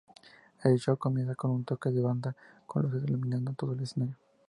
El show comienza con un toque de banda, con luces iluminando todo el escenario.